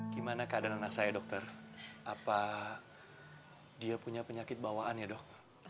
gimana keadaan anak saya dokter apa dia punya penyakit bawaan ya dok